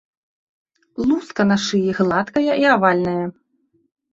Луска на шыі гладкая і авальная.